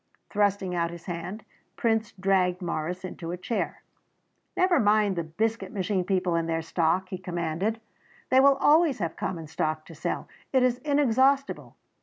Thrusting out his hand, Prince dragged Morris into a chair. "Never mind the Biscuit Machine people and their stock," he commanded; "they will always have common stock to sell. It is inexhaustible.